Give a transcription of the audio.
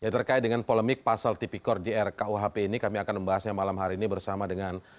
terkait dengan polemik pasal tipikor di rkuhp ini kami akan membahasnya malam hari ini bersama dengan